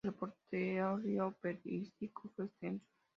Su repertorio operístico fue extenso.